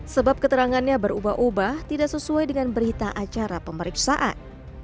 sebab keterangannya berubah ubah tidak sesuai dengan berita acara pemeriksaan